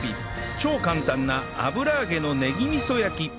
超簡単な油揚げのねぎ味噌焼き